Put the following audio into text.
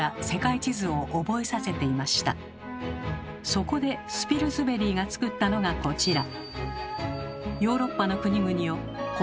そこでスピルズベリーが作ったのがこちら。